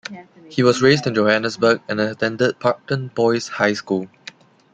He was raised in Johannesburg and attended Parktown Boys' High School.